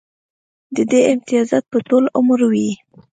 د دې امتیازات به ټول عمر وي